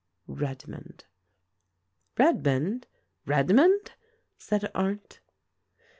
REDMOND." "Redmond? Redmond?" said Arndt.